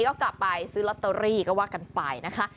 ก็กลับไปซื้อลอตเตอรี่ก็ว่ากันไปนะคะ